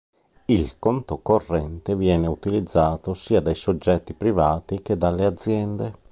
Il "conto corrente" viene utilizzato sia dai soggetti privati che dalle aziende.